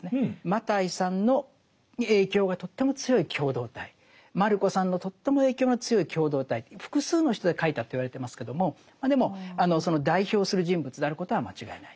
マタイさんの影響がとっても強い共同体マルコさんのとっても影響の強い共同体複数の人で書いたと言われてますけどもでもその代表する人物であることは間違いない。